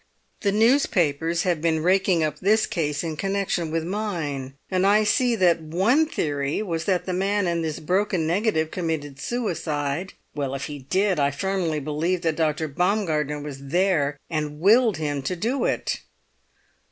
The newspapers have been raking up this case in connection with—mine—and I see that one theory was that the man in this broken negative committed suicide. Well, if he did, I firmly believe that Dr. Baumgartner was there and willed him to do it!"